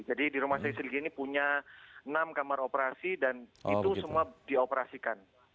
jadi di rumah sakit sigli ini punya enam kamar operasi dan itu semua dioperasikan